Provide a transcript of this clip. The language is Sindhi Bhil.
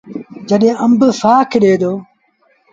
جڏهيݩ آݩب سآک ڏي دو۔